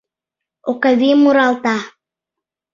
Окавий муралта: